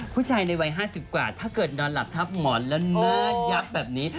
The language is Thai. ผู้ชายในวัย๕๐กว่าถ้าเกิดนอนหลับทับหมอนแล้วหน้ายับแบบนี้